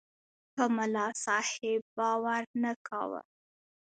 په ملاصاحب باور نه کاوه.